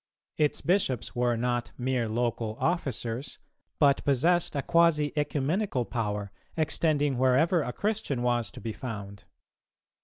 Its Bishops were not mere local officers, but possessed a quasi ecumenical power, extending wherever a Christian was to be found.